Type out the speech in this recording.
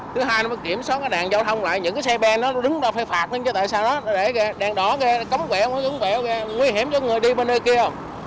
tại sao đó để kìa đèn đỏ kìa cấm quẹo cấm quẹo kìa nguy hiểm cho người đi bên nơi kia không